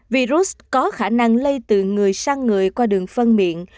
virus có khả năng lây từ người sang người qua đường phân miệng